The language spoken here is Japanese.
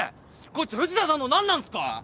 こいつ藤田さんの何なんすか！？